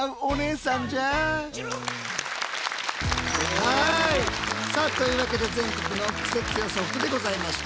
はいさあというわけで全国のクセ強ソフトでございました。